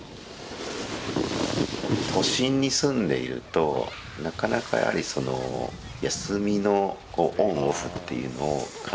都心に住んでいるとなかなかやはりその休みのオンオフというのを感じられない。